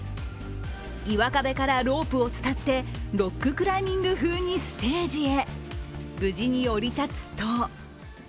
岩壁からロープを伝ってロッククライミング風にステージへ。